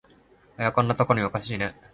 おや、こんなとこにおかしいね